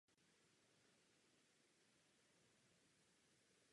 To znamená, že migrační zátěž je zapotřebí sdílet rovnoměrně.